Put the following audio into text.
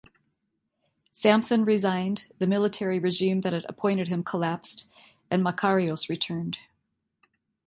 Sampson resigned, the military regime that had appointed him collapsed, and Makarios returned.